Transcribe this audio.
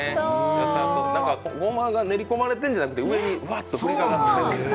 ごまが練り込まれているんじゃなくて、上にぶわっとかかってる。